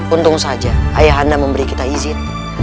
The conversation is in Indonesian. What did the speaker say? untung saja ayah anda memberi kita izin